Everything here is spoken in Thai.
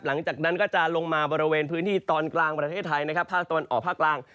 หลังจากนั้นก็จะลงมาบริเวณพื้นที่ตอนกลางประเทศไทยนะครับภาคตะวันออกภาคกลาง